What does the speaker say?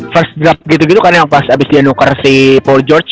first draft gitu gitu kan yang pas abis dia nuker si paul george